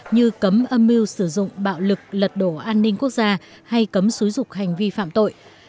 như cấm âm mưu sử dụng bạo lực lật đổ an ninh quốc gia hay cấm xúi rục hành vi phạm tội